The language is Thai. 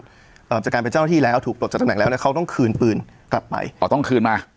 จากการเป็นเจ้าหน้าที่แล้วถูกปลดจากตำแหน่งแล้วเนี้ยเขาต้องคืนปืนกลับไปอ๋อต้องคืนมา